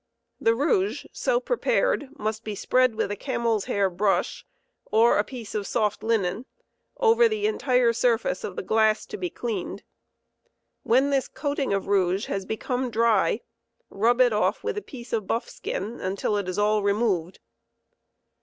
The rouge so prepared must be spread with a camel's hair brush, or a piece, of soft linen, over ' the entire surface of the glass to be cleaned. When this coating of rouge has become dry, rub it off with a piece of buff skin until it is all removed.